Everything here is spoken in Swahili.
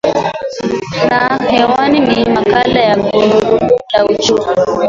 na hewani ni makala ya gurudumu la uchumi